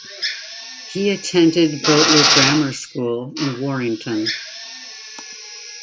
He attended Boteler Grammar School in Warrington.